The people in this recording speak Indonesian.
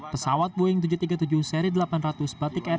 pesawat boeing tujuh ratus tiga puluh tujuh seri delapan ratus batik air